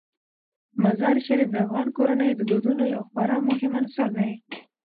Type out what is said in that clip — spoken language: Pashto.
مزارشریف د افغان کورنیو د دودونو یو خورا مهم عنصر دی.